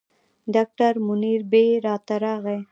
ډاکټر منیربې راته راغی.